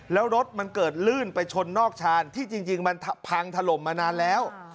แล้วรถมันเกิดลื่นไปชนนอกชานที่จริงมันพังถล่มมานานแล้ว